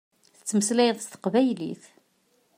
Tettmeslayeḍ s teqbaylit.